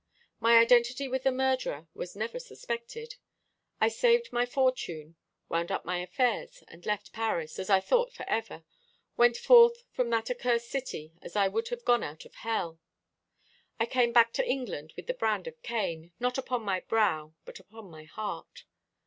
My identity with the murderer was never suspected. I saved my fortune, wound up my affairs, and left Paris, as I thought for ever, went forth from that accursed city as I would have gone out of hell. I came back to England with the brand of Cain, not upon my brow, but upon my heart.